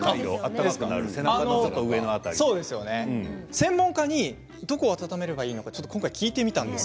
専門家にどこを温めればいいのか今回聞いてみました。